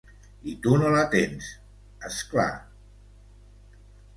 I tu no la tens, és clar.